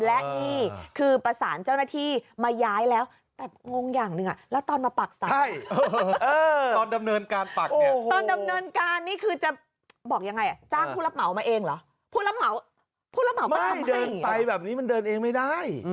และนี่คือประสานเจ้าหน้าที่มาย้ายแล้วแบบงงอย่างหนึ่งอะ